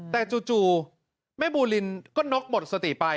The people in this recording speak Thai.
แต่จู่แม่บูลินก็น็อกหมดสติไป